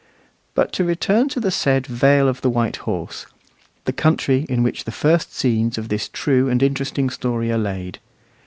But to return to the said Vale of White Horse, the country in which the first scenes of this true and interesting story are laid.